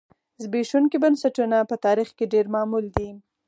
زبېښونکي بنسټونه په تاریخ کې ډېر معمول دي